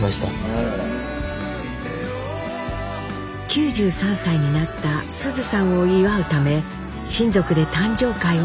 ９３歳になった須壽さんを祝うため親族で誕生会を開催。